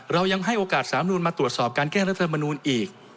เรายังให้โอกาสสารรัฐธรรมนุนมาตรวจสอบการแก้รัฐธรรมนุนอีก